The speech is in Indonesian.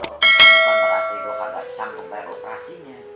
bukan berarti gue harus sanggup bayar operasinya